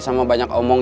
sama banyak omong